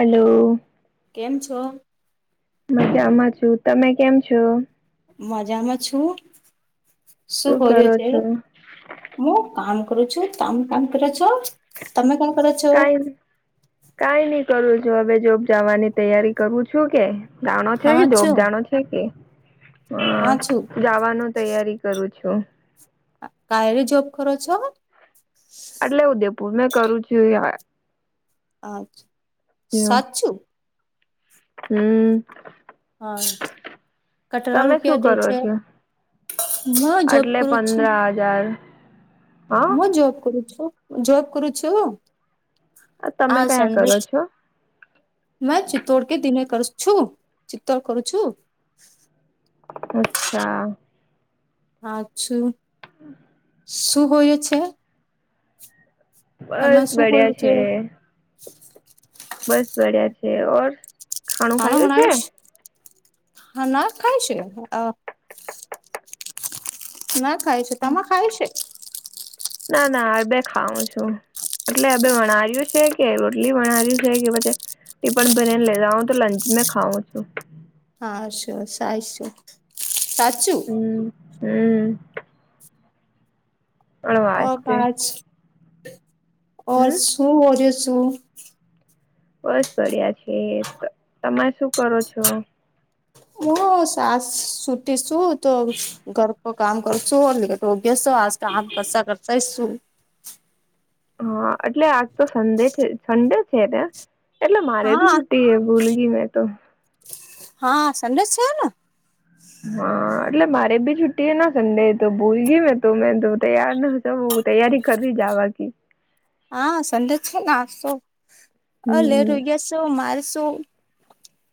Hello કેમ છો? મજામાં છું તમે કેમ છો મજામાં છું શું ખર્યો કરો છે છો હું કામ કરુ છું તમે કામ કર છો તમે કામ કરો છો કઈ કઈ નઈ કરું છું હવે જોબ જવાની તૈયારી કરું છું કે જાણો છે કે હા જોબ છો જાણો છે કે અ હા છું. જવાનું તૈયારી કરું છું કાંઈ નિ જૉબ કરો છો એટલે ઉદેપુર મેં કરું છુંય અચ્છા સાચું હમ્મ હ કટરા તમે શું રૂપિયા દે કરો છે છો હ જોબ એટલે કરું પંદર છું હજાર હું હા જોબ કરુ છું જોબ કરુ છું તમે આ કયા કરો સેન્ડવિચ છો મે ચિતોડ કે દિને કર છું ચિતતોડ કરુ છું અચ્છા હાછું હમ્મ. શું બોય છે તમે બસ શું કર્યું બડિયા છે બસ બડિયા છે ઓર ખાણું ખાના ખાયું વાઈશ છે હા નાક ખાય છે. ના ખાય છે તમા ખાય છે. ના ના હડ બેે ખાઉ છું. એટલે હે વણર્યું છે કે રોટલી વણર્યું છે કે પછી પણ બનીને લે હું તો લંચ મે ખાવઉં છું. હા સુરે સાશું સાચું. હમ્મ હમ્મ. ઓ વાસ્તે કાચ હમ સુું હોજ સું. બસ બડિયા છે. તમે શું કરો છો? ઓ સાસ સુટી શું તો ઘર પર કામ કરશુંટ કે અભ્યાસ તો ક આામ કસા કરશેૈ શું. હા એટલે આજ તો સન્ડે છે સન્ડે છે ને. એટલે મારે ભી હા છુટી છે ભૂલ ગઈ મેં તો. હા સન્ડે છે ને. હા એટલે મારે ભી છુટ્ટી હ ના સન્ડે તો ભૂલ ગય મેને ત મે તૈ યાર ન તૈયારી કરીવી જવાની. હા સન્ડે છેને આપશો અ લેટ હમ રોઈશો મારશું.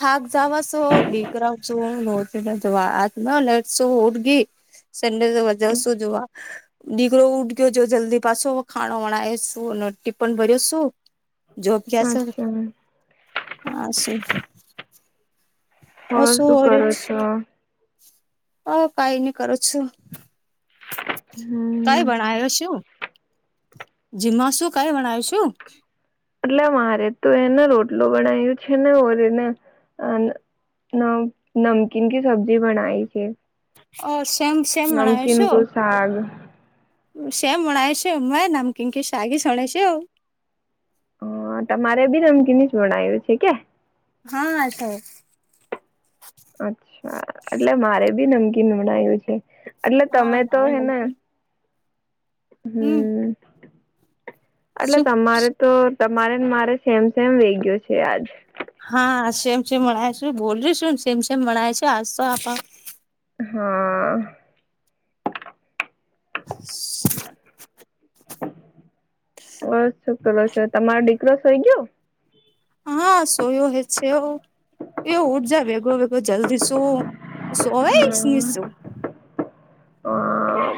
થાક જવા છો દીકરા છ નો જોવાતમાં લટશું ઉઠ ગી. સન્ડે જોવાં જવસુ જો. દીકરો ઉડ ગયો જો જલ્દી પાછો ખાણવાણા એ શું અને ટિપન ભર્યો શું. જોબ ક સર અચ્છા હા સર. હ શું કરો છો? હું કઈ ન કરું છું. હમ્મ. કઈ વણાયો છું જીમમા શું કઈ વણાય છું. એટલે મારે તો એને રોટલોું બનાવું છે ને ઓરીને ન નમકીન કી સબ્જી બનાય છે. ઓ શેમ શેમ મણાવ નમકીન છું. નું શાક સેમ મણાય છેમા એ નામકીકી સાગી શણાય છે આવ. હ તમારે બી નમકીીની જ ભણાવ્યું છે કે. હા આટ. [unintelligible] અચ્છા એટલે મારે બી નમકીન મણયું છે. એટલે હા તમે તો મારે હેને હમ્મ. હમ એટલે તમારે તો તમારે મારે સેમ સેમ વેગયો છે આજ. હા છેમ છેમણાય છેું બોલ શું સમસેમ મણાય છે આજ તો આપ. હા. હ. બસ શું કરો છે. તમારો દીકરો થઈ ગયો? હા સોયો હે છે એવ એવ ઉઠ જાય ભેગો ભેગો જલ્દી શું. સુવે જ ની શું. હ.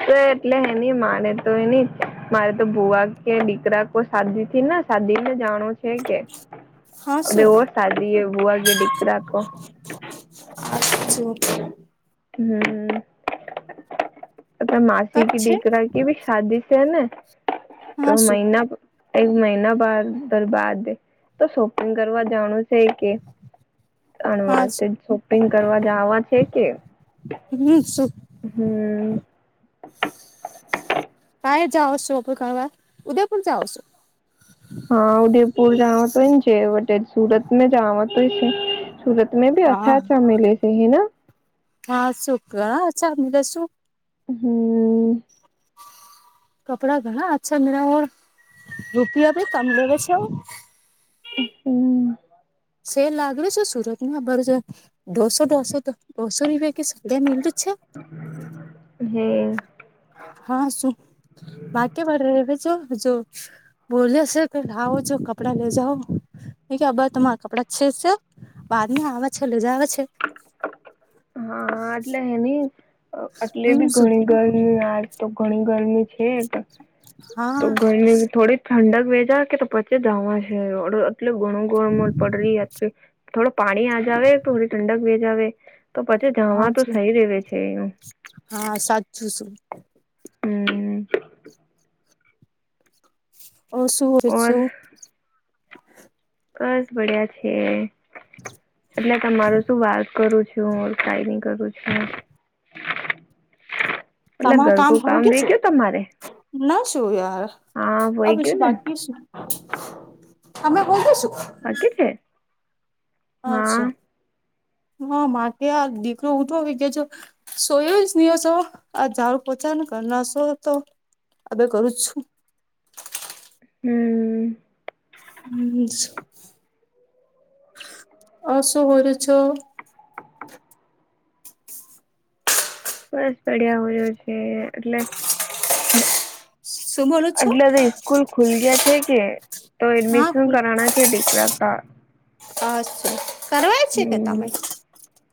તો એટલે હેની મારે તો એની મારે તો ભૂવા કે દીકરા કોઈ શાદી થી ને. સાદી ને જાણું છે હા શું કેવેવો સાદી એવું વાગે દીકરાખ. અછું. હમ્મ. અ કપ માસી કે છે દીકરા કે ભી શાદી છે ને તો હા શું મહિના એક મહિના બાર દરબાદ તો શોપિંગ કરવા જાણું. છે કે હા અણવાર શું શોપિંગ કરવા જવા છે કે. હમ સુખ હમ કાઈ જાવ શો શોપિંગ કરવાવા ઉદયપુર પણ જાઓ છો. હા ઉદયપુર જવા તોને જે વટે સુરતમાં જવા તોય સુરત મે ભી હા અચ્છા અચ્છા મેલે છે હે હા સુુંખ ચાીલા શુંખ હમ કપડા ઘણા અચ્છા મેર ઔર રૂપિયા ભી કમ લેવે છે. હમ સેલ લાગડ છે સુરતમાં બળજ દોસો દોસો તો દોસો રૂપિયા કે સ્યા મંદું જ છે હે હા શું વાક્યવાળ જો હજ બોલ છે કે લાવો જો કપડા લે જાવ ન કે બ તમારા કપડાં છે છે વાદ ને આવે છે લેજા આવે છે. હા એટલે હે નહ એટલે હું બી શું ઘણી ગરમી આજ તો ઘણી ગરમી છે હા તો ગરમી થોડી ઠંડક વેચા કે તો પછી જવા છેડ એટલ ઘણું ગ પડ રહી થોડો પાણી આજવે થોડી ઠંડક વે જવે તો પછી હા જણવા તો શું સઈ ર છે એનું હા સાચું શું હમ ઓ શું વ ઓર શું બસ બડિયા છે એટલે તમારું શું વાત કરું છું છું કઈ નહી કરું છું એટલે તમારે કામ ઘરકું હોવું કે રહી છું ગયું તમારે ના છું યાર હા વહી અવે ગયું શું ને બાકી શું અમે બોતા છું બાકી છે હા અચ્છા હા માટે યાર દીકરો ઉઊઠો આવી ગ છે સોયો ન શો આ ઝાડું પોછાને કર ના શો તો અવે કરુ છું હમ હમ આ શું બોલો છો બસ પડ્યા હો્યો છે એટલે [inaudible] શું બોલો છો એટલેધા સ્કૂલ ખુલ ગયા છે કે તો એડમિશન કરના છે દીકરા કા અછ કરવાય છે કે હમ તમે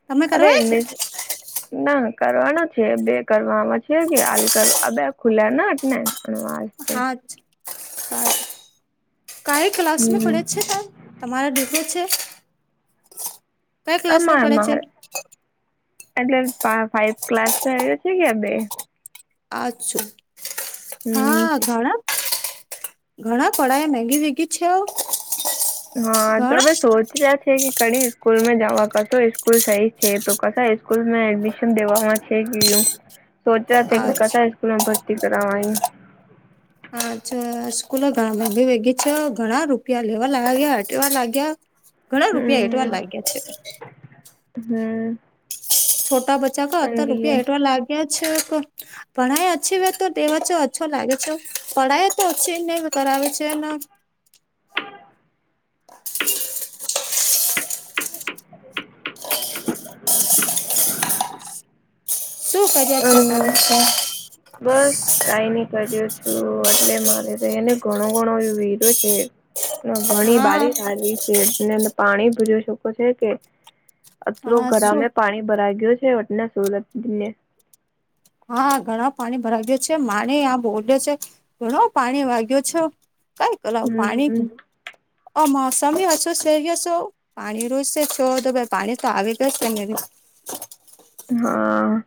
તમે અરે કરવાય છે [unintelligible] ના કરવાનો છે બે કરવામાં છે કે હાલ બે ખુલ્યા ના જ ને વાસ્તે હા હ કઈ ક્લાસને હમ પડે છે તમ તમારે દસો છે કઈ ક્લાસમાં તમાર પડે છે મારે એટલે ફાઈવ ક્લાસ આવ્યો છે કે બે અછો હમ હા ઘણા ઘણા કળાયા મેગી વેગી છે. હા ઘણા તોમે શો છે કે કડી સ્કૂલ માં જવા કશો સ્કૂલ સહી છે તો કશા સ્કૂલમાં એડમિશન દેવામાં છે. ું સોચ્યા કે ક અચ્છા સ્કૂલ માં ભરતી કરવા હાછાકુલો ભી ભેગી છે ઘણા રૂપિયા લેવા લાગ્યા હટવા લાગ્યા [unintelligible] ઘણા રૂપિયા હેઠવા હમ લાગ્યા છે. હમ છોટા બચ્ચા ક અત રૂપિયા એનડીએ એટવા લાગ્યા છે તો, પઢાય અચછી હો તો દવા છે અ્છો લાગે છે પઢાય તો ઓછી નને કરાવે છેને હ શું કર્યા છો અનેસ્ તમે? બસ કઈ નઈ કર્યો છું એટલે મારે તો એને ઘણો ઘણો એ વિધો છે. ઘણી હા બારીારી છે પાણી ભ જોઈ શકો છે કે અત્ર હા શું ગરામે પાણી ભરાઈ ગયું છે એટના સુરતને હા ઘણા પાણી ભરા ગ્યું છે મારે આ બોડ્યો છે. ઘણો પાણી વાગ્યો છો. કઈ કલ પાણી હમ અમ મોસમી હશો શેર છો. પાણી રોજશે છો દો ભાઈ પાણી તો આવી ગ તને હા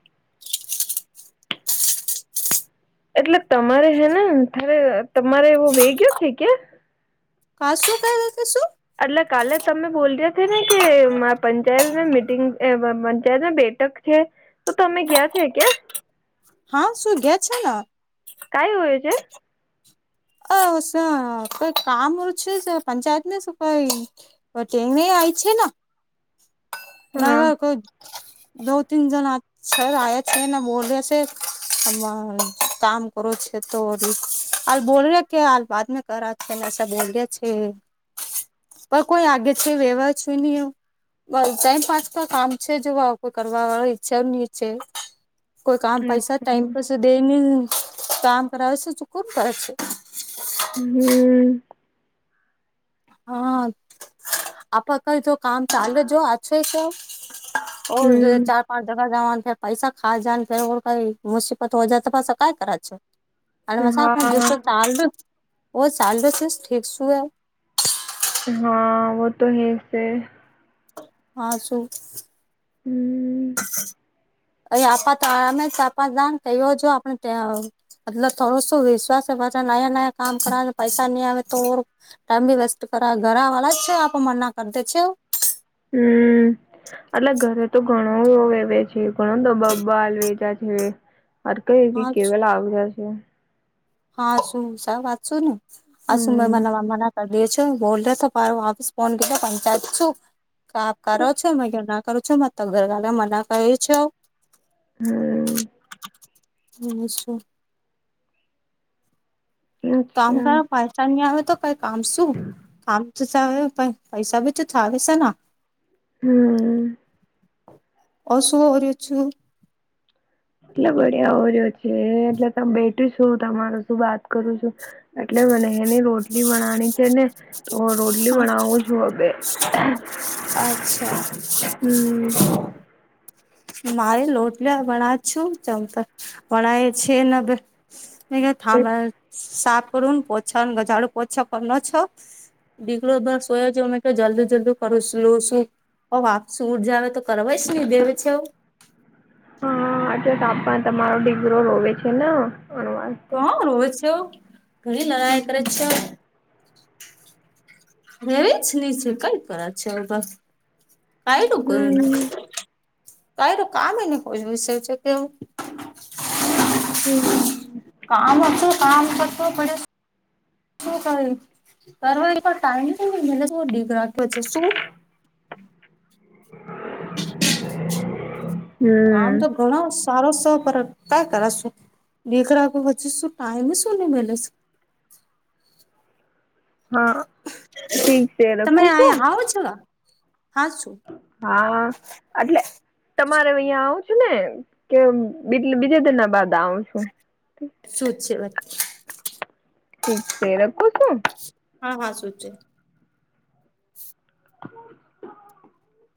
એટલે તમારે હે ને થારે તમારે એવો વે ગયો છે કે્યાં? ક શું ક રતે શું? એટલે કાલે તમે બોલ રહ્યા છે ને કે પંચાયત મીટિંગ પંચાયત બે ક છે તો તમે ગયાં છે ક્યા? હા સુુંઈ ગયા છે ને. કઈ હોય છે? અ સર કોઈ કામ છે પંચાયત ન સુું કોઈ ટ્રેન આવીય છે ના હા વા કોઈ દો તીન જણ સર આયા છે નાને બોલ્યા છે. હ કામ કરો છે તો હાલ બોલ ર કે હાલ બાદ મે કર છેને સ બ છે. પણ કોઈ આગે છે વેવા છું નહી એવું, બ ટાઈમ પાચ ક કામ છે જોવા કોઈ કરવા વાળા ઈચ્છા નહી છે. કોઈ કામ પૈસા અચ્છા ટાઈમ પર દેને કામ કરાવે છે તોકર કરે છે. હમ હા આપ કઈ જો કામ ચાલે જો આછો તો ઓ જે હમ ચાર પાંચ જગા જવા છે. પૈસા ખા જ કે કઈ મુસીબત હો જ તો પાસ કાય કરે છ.? હ મ જો હા ચ ચાલ ઠક શું [inaudible] હા વ તો હે ફિર હા શું? હમ અહી આપા તમે આપા દ કયો જો આપણે ત્યા મતલ થોડો શું વિશ્વાસ છે પાછા નાયા નાયા કામ કરાવ પૈસા નહી આવે તો ટાાઈમ ભી વેસ્ટ કરા ઘરા વળા છે આપ મર ના કર દે છે. હમ એટલે ઘરે તો ઘણોવે કોણ તો બબાલ વેચા છે કઈ હા કેવાલ આવજ છે હા શું સા વાચો અ મ હમ મ? કરી દ છો બોલ ર વાફિસ ફોન કર પંચાયત છું કે આપ કરો છો મે-' કરું છો મ ત ઘરવાાલે મને કહે છો? હમ અચ્છા કામ અચ્છા કરવા પાસા નહી આવે તો કઈ કામ શું? કામ તો થ પ પૈસા બી તો થાવે છે ના હમ અશુભ હો અ છું. એટલે બડિયા ઓર્યો છે એટલે તમે બેઠ શું તમાર શું વાત કરું છું એટલે મને એની રોટલી બનાની છે ને તો રોટલી બનાવું છ હબે અચ્છા હમ. મારે લોટલા વણ છું ચતા વણાય છે ને બે. બસ [unintelligible] પોછન ઝાડુ પોછો કરો છો બીગલોર સોયાજી મે કે જલ્દી જલ્દી કરું ઓ વાપસું ઉરજ આવે તો કરવા જ હી દેવે છેવું હા એટલે ત પણ તમારો દિકરો રોવે છે ને અનુવા કોણ રો છો ઘરી લડાઈ કરે હમ છે હમ [unintelligible] તો એ તો કામ એ ને કોઈ વિષ છે કેવું. હમ. કામ ઓછું કામ કરેશે શું કઈ તાર ટાઈમ છે મને ડીગ રાખ્યો છે શું આમ હમ તો ઘણો સારો છે પર કં કરશો દેખા [unintelligible] ટાઈમ સુને મે હા ઠીક છે રખું શું. હાસો. હા, અટલે. તમારે અહીયા આવું છે ને કે બીજે દિના બાદ આવ શું છે વાત? ઠીક છે રખું શું. હા હા, સુંચે. [inaudible]